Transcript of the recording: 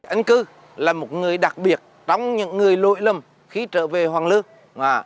anh cư là một người đặc biệt trong những người lội lầm khi trở về hoàng lương